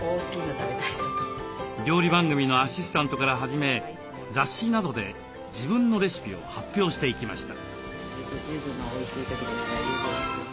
料理番組のアシスタントから始め雑誌などで自分のレシピを発表していきました。